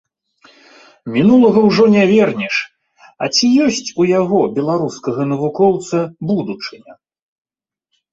Мінулага ўжо не вернеш, а ці ёсць у яго, беларускага навукоўца, будучыня.